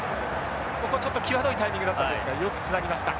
ここはちょっと際どいタイミングだったんですがよくつなぎました。